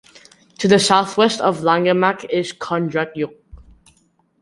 To the southwest of Langemak is Kondratyuk.